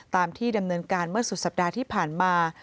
ตามที่ดำเนินการเมื่อสุดสัปดาห์ที่ผ่านมา